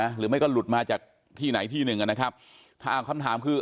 หรือไม่ก็หลุดมาจากที่ไหนที่หนึ่งนะครับถ้าอ้าวคำถามคือ